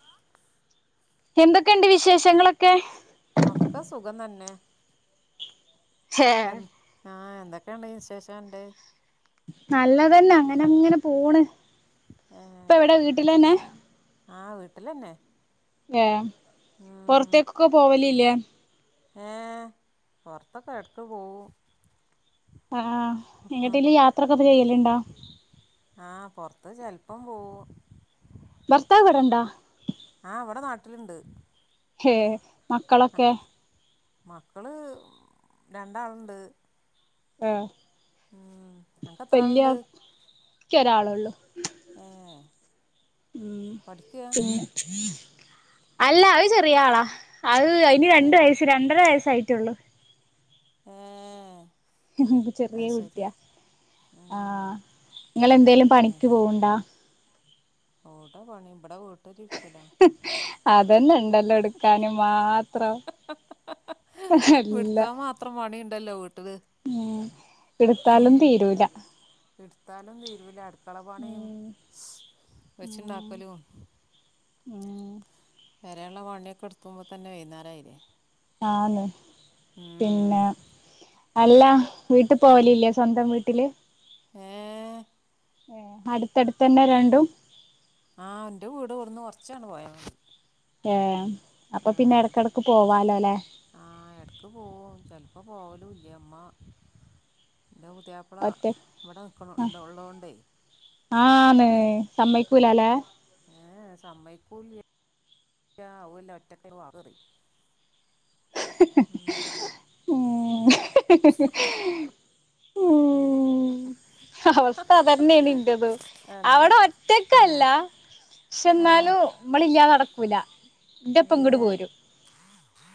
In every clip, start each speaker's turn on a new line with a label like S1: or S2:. S1: ആഹ്.
S2: എന്തൊക്കെണ്ട് വിശേഷങ്ങളൊക്കെ.
S1: ഒക്കെ സുഖം തന്നെ എന്ത് ആഹ് എന്തൊക്കണ്ട് വിശേഷം അന്റഹ്.
S2: നല്ലതന്നെ അങ്ങന അങ്ങന പോണ്. ഇപ്പ
S1: ഏഹ്
S2: എവിടെ വീട്ടിലന്നെ
S1: ആഹ് വീട്ടിലന്നെ.
S2: ഏഹ് പൊറത്തേക്കൊക്കെ പോവലില്ലേ.
S1: ഏഹ് പൊറത്തൊക്കെ എടക്ക് പോവും.
S2: ആഹ് എങ്ങ്ട്ടേലും യാത്രക്കെ ചെയ്യല്ണ്ടോ.
S1: ആഹ് പൊറത്ത് ചെലപ്പം പോവും.
S2: ഭർത്താവ് വടെണ്ടാ.
S1: ആഹ് ഇവടെ നാട്ടില്ണ്ട്.
S2: ഏഹ് മക്കളൊക്കെ.
S1: മക്കള് രണ്ടാള്ണ്ട്.
S2: ആഹ്.
S1: ഹും അനക്ക് എത്രാള്‌ണ്ട്
S2: ഒരാളൊള്ളു
S1: ഏഹ്.
S2: പിന്നെ. അല്ല അഹ് ചെറിയാളാ അഹ് അഹ്ന്
S1: ഏ
S2: രണ്ട് വയസ് രണ്ടര വയസ്സായിറ്റൊള്ളു.
S1: ഏഹ്.
S2: ഹ് ഹ് ചെറിയ കുട്ടിയാ
S1: ഉം
S2: ആഹ് ഇങ്ങളെന്തേലും പണിക്ക് പോവ്ണ്ടാ.
S1: ഓടെ പണി ഇബടെ വീട്ടിലിരിക്കലാ.
S2: അതന്നെ ണ്ടല്ലോ ഇട്ക്കാന് മാത്രം. അല്ല
S1: ഇട്ക്കാമാത്രം പണിണ്ടല്ലോ വീട്ടില്.
S2: ഉം ഇട്ത്താലും തീരൂല.
S1: ഇട്ത്താലും തീരൂല അടുക്കള പണീം
S2: ഉം
S1: വെച്ച്ണ്ടാ
S2: ഉം
S1: ക്കലും
S2: ഉം
S1: പെരേള്ള പണിയൊക്കെ ഇട്ക്കുമ്പോ തന്നെ വൈന്നേരായില്ലേ.
S2: ആന്ന് പിന്നെ അല്ല വീട്ട്
S1: ആ
S2: പോവലില്ലേ. സ്വന്തം വീട്ടില്
S1: ഏ
S2: അടുത്തടുത്തന്നെ രണ്ടും.
S1: ആഹ് ന്റെ വീട് വ്ട്ന്ന് കൊറച്ചണ് പോയമതി.
S2: ഏഹ് അപ്പൊ പിന്നെ എടക്കെടക്ക് പോവാലോല്ലെ.
S1: ആഹ് എടക്ക് പോവും ചെലപ്പോ പോവലൂല്ല മ്മ. ൻ്റെ പുത്യാപ്പള ഇവിടെ നിൽക്കണ ണ്ട് ഉള്ളോണ്ടെ.
S2: ആ ന്ന് സമ്മയിക്കൂലാലെ
S1: ഏഹ സമ്മയ്ക്കൂല ആവല്ല ഒറ്റക്ക [unintelligible]
S2: ഉ അവസ്ഥ അതന്നെയാണ്
S1: അല്ല
S2: ഇൻ്റെതുംഅവിടെ
S1: പിന്നെ
S2: ഒറ്റക്കല്ല പക്ഷെ
S1: ആ
S2: എന്നാലും നമ്മള ഇല്ലാതാടക്കൂല
S1: ഏ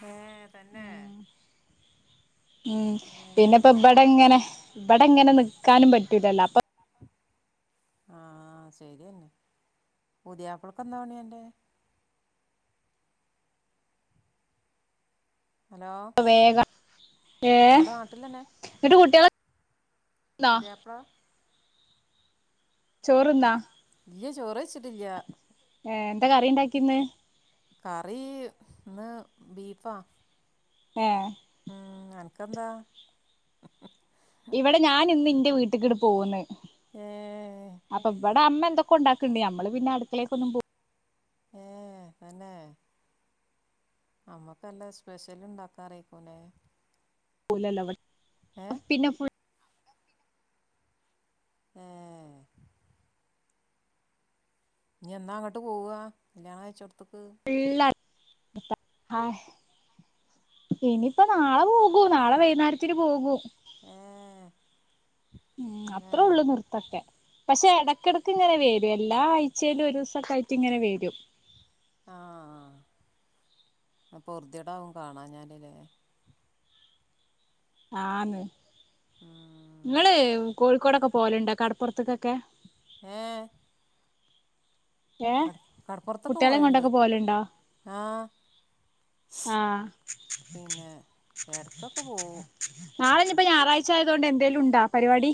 S1: ഏ തന്നെ
S2: ഉം
S1: ഏ
S2: പിന്നെപ്പബടെങ്ങനെ ഇവിടെ എങ്ങനെ നക്കാനും പറ്റൂലല്ലോ അപ്പൊ
S1: ആഹ ശരിയന്നെ പുതിയപ്പളക്കെന്താ പണി അ ൻ്റെ ഹലോ
S2: വേഗം ഏ
S1: ഇവിട നാട്ടിൽ തന്നെ
S2: എന്നിട്ട് കുട്ടികളൊക്കെ തിന്നോ
S1: പുതിയാപ്പള
S2: ചോറ് ന്നോ
S1: ല്ലചോറ് വച്ചിട്ടില്ല
S2: ഏ എന്താ കറി ഉണ്ടാക്കിന്ന്
S1: കറി ഇന്ന് ബീഫാ
S2: ഏ
S1: ഉം എനക്ക്ന്താ
S2: ഇവിടെ ഞാൻ ഇന്ന് ഇന്റെ വീട്ടക്ക്ടെ പോകന്ന്
S1: ഏഹ ഏഹ്
S2: അപ്പൊ ഇവിടെ അമ്മ എന്തൊക്കെ ഉണ്ടാക്കണ്ടണ്ട് നമ്മള് പിന്നെടുത്തേക്കൊന്നും പോ
S1: ഏഹ തന്നെ നമ്മുക്കല്ലാ സ്പെഷ്യൽ ഉണ്ടാക്കാറക്കൂനെ
S2: പോല
S1: ഏഹ്
S2: പിന്നെ
S1: ഏഹ നീ എന്താ അങ്ങോട്ട് പോവാ കല്യാണം കഴച്ചിടത്തക്ക്
S2: എള്ള ഹായ് ഇനിയിപ്പോ നാളെ പോകൂ നാളെ വൈകുന്നേരത്തിന് പോകൂ
S1: ഏഹ
S2: ഉം അത്രേ ഉള്ളൂ നിർത്തൊക്കെ പക്ഷെ ഇടക്കിടക്ക് ഇങ്ങനെ വരും എല്ലാ ആഴ്ചേയിലും ഒരു ദിവസക്ക ആയിട്ട് ഇങ്ങനെ വരും
S1: ആഹ അ പൊറുതടകും കാണാം ഞാലല്ലേ
S2: ആന്ന്
S1: ഉം
S2: നിങ്ങള് കോഴിക്കോടൊക്കെ പോലുണ്ടോ കടപ്പുറത്തക്കൊക്കെ
S1: ഏഹ
S2: ഏഹ
S1: കടപ്പുറത്തൊക്കെ
S2: കുട്ടികളെ
S1: പോയണ്ട്
S2: കൊണ്ടൊക്കെ പോലണ്ടോ
S1: ആ
S2: ആഹ
S1: പിന്നെ ഇടക്കൊക്കെ പോവും
S2: [inaudible] നാളെന്ന ഇപ്പോ ഞായറാഴ്ച ആയതുകൊണ്ട് എന്തേങ്കലും ഉണ്ടാ പരിപാടി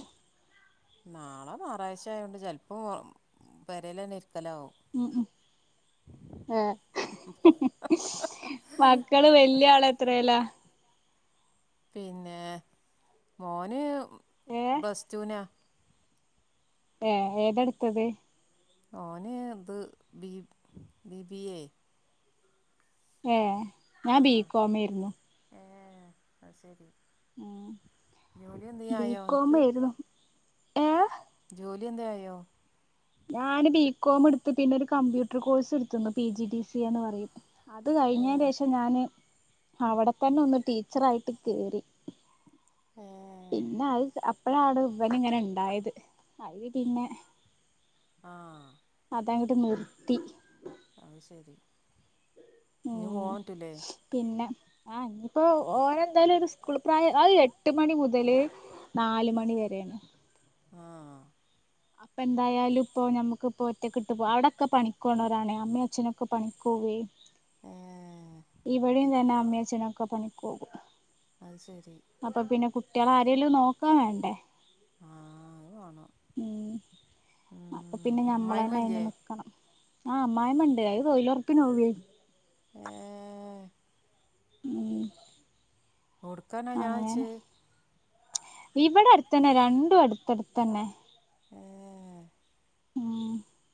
S1: നാളെ ആറാഴ്ച ആയതോണ്ട് ചിലപ്പോം പെരേൽ തന്നെ ഇരിക്കലാ
S2: ഉം അഹ മക്കള് വല്യ ആള എത്രല്ലാ
S1: പിന്നെ മോന്
S2: ഏഹ്
S1: ബ്ലസ്റ്റുവിനാ
S2: ഏഹ ഏതെടുത്തത്
S1: ഓന ഇത് ബി ബിബിയിയേ
S2: ഏഹ ഞാൻ ബികോമ ആയിരുന്നു
S1: ഏഹ അത് ശരി
S2: ഉം
S1: ജോലി എന്ത് ചെയ്യയോ എനക്ക്?
S2: ഏഹ
S1: ജോലി എന്തായായോ?
S2: ഞാന് ബി. കോം എടുത്ത് പിന്നെ ഒരു കമ്പ്യൂട്ടർ കോഴ്സ് എടുത്തുന്നു പി. ജി. ഡി. സി എന്ന് പറയും അത്
S1: ഏ
S2: കഴിഞ്ഞതിന് ശേഷം ഞാന് അവിടെ തന്നെ ഒന്ന് ടീച്ചറായിട്ട് കയറി
S1: ഏഹ
S2: പിന്നെ അത് അപ്പഴ ആണ് ഇവൻ ഇങ്ങനെ ഉണ്ടായത് അത് പിന്നെ
S1: ആഹ്.
S2: അതങ്ങട്ട് നിർത്തി.
S1: അത് ശരി. ഇനി
S2: ഉം
S1: പോവാൻ പറ്റൂല്ലേ.
S2: പിന്നെ. ആഹ് ഇനിയിപ്പോ ഓന് എന്തായാലും ഒരു സ്കൂൾ പ്രായം ആഹ് എട്ട് മണി മുതല് നാല് മണിവരെയാണ്.
S1: ആഹ്.
S2: ഇപ്പ എന്തായാലും ഇപ്പോ ഞമ്മക്കിപ്പോ ഒറ്റക്ക് ഇട്ട് പോ അവിടൊക്കെ പണിക്കോണവരാണ്. അമ്മയും അച്ഛനൊക്കെ പണിക്കു പോവേ.
S1: ഏഹ്.
S2: ഇവിടേം ഇതന്നെ. അമ്മയും അച്ഛനൊക്കെ പണിക്കു പോകും.
S1: അത് ശരി.
S2: അപ്പൊ പിന്നെ കുട്ടികളെ ആരെലും നോക്കാൻ വേണ്ടേ.
S1: ആഹ് അത് വേണം.
S2: ഉം അപ്പൊ
S1: ഉം
S2: പിന്നെ ഞമ്മള് തന്നെ അയിന്
S1: അമ്മായിമ്മല്ലേ
S2: നിക്കണം. ആഹ് അമ്മായിയമ്മ ഇണ്ട്. അത് തൊയിലുറപ്പിനു പോവേ.
S1: ഏഹ്.
S2: ഉം
S1: ഒടുക്കാനാ ഞാൻ
S2: അങ്ങനെ.
S1: വെച്ച്
S2: ഇവിടെ അടുത്തന്നെ രണ്ടും അടുത്തടുത്തന്നെ
S1: ഏഹ്
S2: ഉം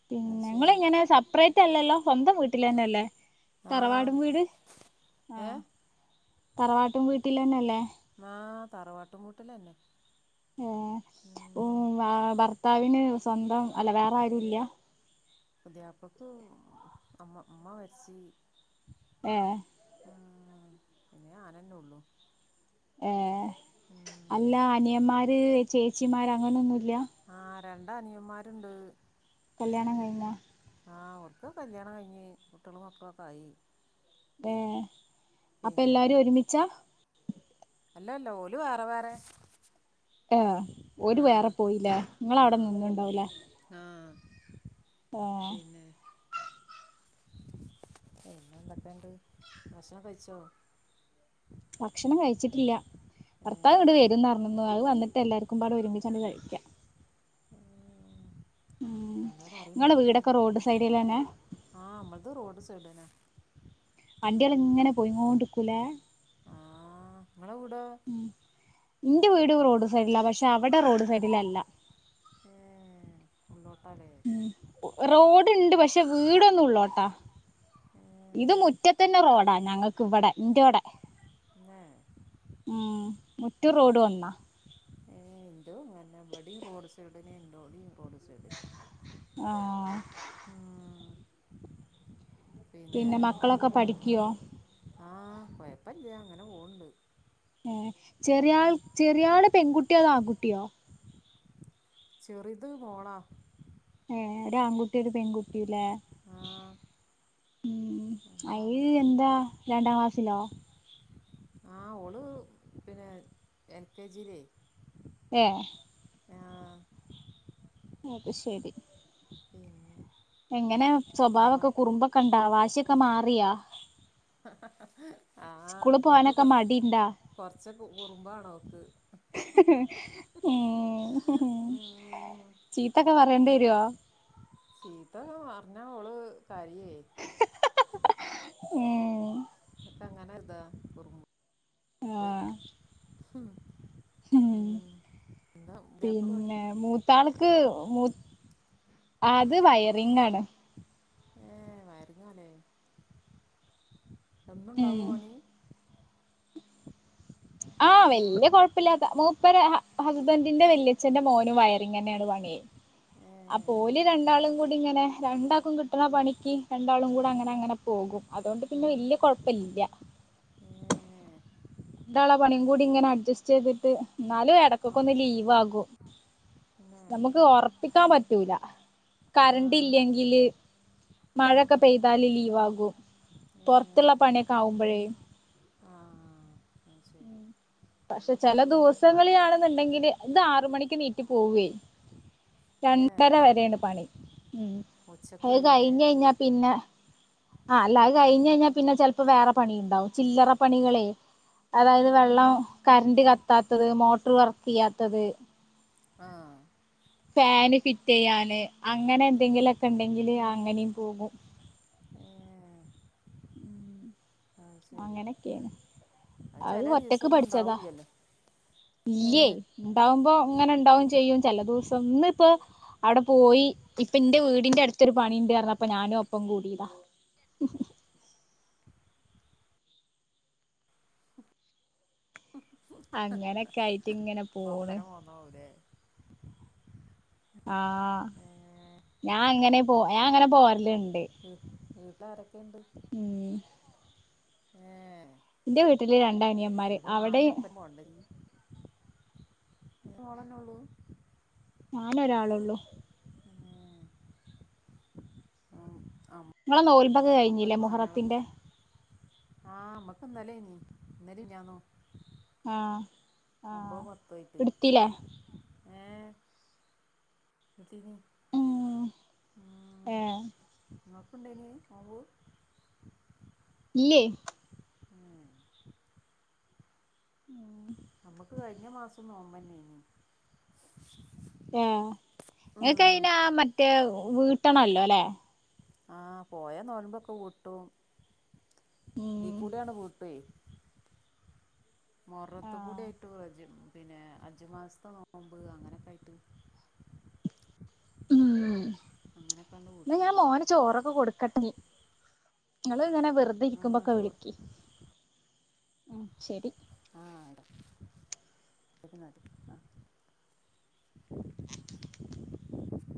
S2: പിന്നെ ഇങ്ങള്
S1: ശരി
S2: ഇങ്ങനെ സെപ്പറേറ്റ് അല്ലല്ലോ സ്വന്തം വീട്ടില് തന്നല്ലേ.
S1: ആ
S2: തറവാട് വീട്
S1: ഏ
S2: ആഹ് തറവാട്ടും വീട്ടിൽ തന്നെല്ലേ.
S1: ആഹ് തറവാട്ടും വീട്ടിലന്നെ.
S2: ഏഹ് ഉം ഭർത്താവിന് സ്വന്തം അല്ല വേറെ ആരും ഇല്ല.
S1: പുതിയാപ്പളക്ക് അമ്മ ഉമ്മ മരിച്ച്.
S2: ഏഹ്
S1: ആഹ് പിന്നെ ഞാനന്നെ ഉള്ളു.
S2: ഏഹ്
S1: ഉം
S2: അല്ല അനിയന്മാര് ചേച്ചിമാര് അങ്ങനൊന്നൂല്ല്യ.
S1: ആഹ് രണ്ട് അനിയന്മാരുണ്ട്.
S2: കല്യാണം കഴിഞ്ഞാ
S1: ആഹ് അവർക്ക് കല്യാണം കഴിഞ്ഞ് കുട്ടികളും മക്കളൊക്കെ ആയി.
S2: ഏഹ് അപ്പൊ
S1: പിന്നെ
S2: എല്ലാരും ഒരുമിച്ചാ?
S1: അല്ല അല്ല ഓല് വേറെ വേറെ.
S2: ഏഹ് ഓര്
S1: ആ
S2: വേറെ പോയീലേ നിങ്ങള് അവിടെ നിന്നേണ്ടാവൂലേ.
S1: ആഹ് പിന്നെ. പിന്നെ എന്തൊക്കെ ഉണ്ട് ഭക്ഷണം കഴിച്ചോ?
S2: ഭക്ഷണം കഴിച്ചിട്ടില്ല
S1: ഏ
S2: ഭർത്താവ് ഇങ്ങട് വരുംന്ന് പറഞ്ഞിരുന്നു അത് വന്നിട്ട് എല്ലാവർക്കും പാടെ ഒരുമിച്ചാണ്ട് കഴിക്കാം. ഉം
S1: എന്തേ
S2: നിങ്ങളെ
S1: കറിണ്ടാക്കി
S2: വീടൊക്കെ റോഡ് സൈഡിലെന്നെ
S1: ആഹ് നമ്മൾത് റോഡ് സൈഡ് തന്നെ.
S2: വണ്ടികള് ഇങ്ങനെ പോയിങ്ങോണ്ടിരിക്കൂലെ.
S1: ആഹ് ഇങ്ങളെ വിടോ
S2: എന്റെ വീട് റോഡ് സൈഡിലാ പക്ഷെ അവിടെ റോഡ് സൈഡിലല്ല.
S1: ഏഹ് ഉള്ളോട്ടാല്ലേ.
S2: റോഡുണ്ട് പക്ഷെ വീടൊന്ന് ഉള്ളോട്ടാ.
S1: ഏ
S2: ഇത് മുറ്റത്തന്നെ റോഡാ ഞങ്ങക്ക് ഇവിടെ എൻ്റോടെ
S1: പിന്നെ
S2: ഉം മുറ്റോം റോഡും ഒന്നാ
S1: ഏഹ് എൻ്റോം ഇങ്ങനെ തന്നെ ഇവടേം റോഡ് സൈഡന്നെ എൻ്റോടേം റോഡ് സൈഡന്നെ.
S2: ആഹ്
S1: ആഹ്
S2: പിന്നെ മക്കളൊക്കെ പഠിക്കോ?
S1: ആഹ് കൊയപ്പില്ല അങ്ങനെ പോണ്ട്.
S2: ഏഹ് ചെറിയാൾ ചെറിയാള് പെൺകുട്ടിയോ അതോ ആൺകുട്ടിയോ
S1: ചെറുത് മോളാ.
S2: ഏഹ് ഒരു ആൺകുട്ടീം ഒരു പെൺകുട്ടീം അല്ലേ.
S1: ആഹ്
S2: മ് അയ് എന്താ രണ്ടാം ക്ലാസ്സിലോ
S1: ആഹ് ഓള് പിന്നെ എൽ കെ ജിയിലേ
S2: ഏഹ്
S1: ആഹ്
S2: അത് ശരി
S1: പിന്നെ
S2: എങ്ങനെ
S1: മോൻ
S2: സ്വഭാവൊക്കെ കുറുമ്പൊക്കെ ഉണ്ടാ വാശിയൊക്കെ മാറിയാ
S1: ആഹ്
S2: സ്കൂള്
S1: ഓൾക്ക്
S2: പോവാനൊക്കെ
S1: കൊറച്ച്
S2: മടിണ്ടാ
S1: കൊറച്ച് കുറുമ്പാണോൾക്ക്
S2: മ്
S1: ഉം
S2: ചീത്തൊക്കെ
S1: ഉം
S2: പറയേണ്ടി വരുവോ
S1: ചീത്ത പറഞ്ഞ ഓള് കരയേ
S2: ഉം
S1: അങ്ങനെ അതാ കുറുമ്പ്
S2: ആഹ് ഉം
S1: മ് എന്താപ്പ പണി
S2: പിന്നെ മൂത്താൾക്ക് മൂ അത് വയറിങ്ങാന്
S1: ഏഹ് വയറിങ്ങാല്ലേ
S2: ഉം
S1: എന്നുണ്ടാവോ പണി
S2: ആഹ് വല്യ കുഴപ്പില്ലാത്ത മൂപ്പരുടെ ഹസ്ബൻഡറിന്റെ വല്യച്ഛന്റെ മോനും വയറിങ്ങന്നെയാണ് പണി അപ്പോ
S1: ഏഹ്
S2: ഓല് രണ്ടാളും കൂടി ഇങ്ങനെ രണ്ടാൾക്കും കിട്ടുന്ന പണിക്ക് രണ്ടാളും കൂടെ അങ്ങനെ അങ്ങനെ പോകും അതുകൊണ്ട് പിന്നെ
S1: ആഹ്
S2: വലിയ കുഴപ്പമില്ല
S1: ഏഹ്
S2: രണ്ടാളുടെ പണിയും കൂടി ഇങ്ങനെ അഡ്ജസ്റ്റ് ചെയ്തിട്ട് എന്നാലും ഇടക്കൊക്കെ ഒന്ന്
S1: ആഹ്
S2: ലീവ് ആകും
S1: പിന്നെ
S2: നമുക്ക് ഉറപ്പിക്കാൻ പറ്റൂല കറണ്ട്
S1: ആഹ്
S2: ഇല്ലെങ്കില് മഴയൊക്കെ
S1: ആഹ്
S2: പെയ്താല് ലീവ് ആകും പുറത്തുള്ള
S1: ഏഹ്
S2: പണിയൊക്കെ ആകുമ്പോഴേ
S1: ആഹ് ആഹ് അത് ശരി
S2: പക്ഷെ ചില ദിവസങ്ങളിലാണെന്നുണ്ടെങ്കില് ഇത് ആറ് മണിക്ക് എണീറ്റ് പോവേ
S1: പിന്നെ
S2: രണ്ടര വരയാണ് പണി ഉം
S1: ഉച്ചക്ക്
S2: അത്
S1: കയ്യൂലേ
S2: കഴിഞ്ഞ് കഴിഞ്ഞാ പിന്നെ ആഹ് അല്ലാ അത്
S1: ആഹ്
S2: കഴിഞ്ഞ് കഴിഞ്ഞാൽ പിന്നെ ചിലപ്പോ വേറെ പണി ഉണ്ടാവും ചില്ലറ പണികളെ അതായത്
S1: ആഹ്
S2: വെള്ളം കറന്റ് കത്താത്തത് മോട്ടർ വർക്ക് ചെയ്യാത്തത്
S1: ആഹ്
S2: ഫാന് ഫിറ്റ് ചെയ്യാന് അങ്ങനെ എന്തെങ്കിലുമൊക്കെ ഉണ്ടെങ്കില് അങ്ങനെയും പോകും
S1: ഏഹ്
S2: ഉം
S1: അത് ശരി
S2: അങ്ങനെയൊക്കെയാണ് അത്
S1: ചെല
S2: ഒറ്റക്ക്
S1: ദിവസൊന്നും
S2: പഠിച്ചതാ
S1: ഉണ്ടാവൂല്ലല്ലോ
S2: ഇല്ലേ
S1: ഏഹ്
S2: ഉണ്ടാവുമ്പോ അങ്ങനെ ഇണ്ടാവും ചെയ്യും ചില ദിവസം ഇന്ന് ഇപ്പൊ അവിടെ പോയി ഇപ്പ എന്റെ വീടിന്റെ അടുത്തൊരു പണിയുണ്ടായിരുന്നു അപ്പൊ ഞാനും ഒപ്പം കൂടീതാ അങ്ങനെയൊക്കെ ആയിട്ട് ഇങ്ങനെ പോണ്
S1: ആവൂല്ലെ
S2: ആഹ്
S1: ഏഹ്
S2: ഞാൻ അങ്ങനെ പോ ഞാൻ അങ്ങനെ പോവലുണ്ട്
S1: വീട്ട് വീട്ടിലാരൊക്കെയുണ്ട് ഏഹ്
S2: എന്റെ വീട്ടില് രണ്ടാനിയൻമാര്
S1: ഇനിപ്പം നാളന്നെ ഒപ്പം പോണ്ടല്ലേ മോളന്നെ ഉള്ളൂ
S2: ഞാന് ഒരാളേ ഉള്ളൂ
S1: ഏഹ് [unintelligible]
S2: നിങ്ങളെ നോയമ്പൊക്കെ
S1: അമ്മക്കൊരു
S2: കഴിഞ്ഞില്ലേ
S1: മഞ്ഞള കു
S2: മുഹറത്തിന്റെ
S1: ആഹ് നമ്മക്ക് ഇന്നലെയാന്നി ഇന്നലെ മിനിഞ്ഞാന്നും
S2: ആഹ് ആഹ്
S1: ഒമ്പതും പത്തും ആയിട്ട്
S2: എടുത്തില്ലേ
S1: ഏഹ് എന്തിന്
S2: ഉം
S1: ഉം
S2: ഏഹ്
S1: നിങ്ങക്കുണ്ടായിരുന്ന് നോമ്പ്
S2: ഇല്ലേ
S1: ഏഹ്
S2: [inaudible]
S1: അമ്മക്ക് കഴിഞ്ഞ മാസം നോമ്പന്നേനി
S2: ഏഹ് നിങ്ങക്ക്
S1: ഉം
S2: അയിന് മറ്റേ വീട്ടണല്ലോല്ലേ
S1: ആഹ് പോയെന്നോമ്പോക്കെ വീട്ടും ഇതീ
S2: ഉം
S1: കൂട്ടി അങ്ങു വീട്ടേ മോറത്ത് കൂടി
S2: ആഹ്
S1: ആയിട്ട് ജ പിന്നെ അജമാസത്തെ നോമ്പ് അങ്ങനൊക്കെ ആയിട്ട്
S2: ഉം
S1: അങ്ങനെയൊക്കാണ്ട്
S2: ഇന്ന
S1: വീട്ടി
S2: ഞാൻ
S1: പോകും
S2: മോന് ചോറൊക്കെ കൊടുക്കട്ടെ ഇനി നിങ്ങ ഇങ്ങനെ വെറുതെ
S1: ആ
S2: ഇരിക്കുമ്പോക്കെ
S1: ചോറ്
S2: വിളിക്കി ഉം ശരി
S1: ആഹ് ആട അഹ് മതി ആഹ്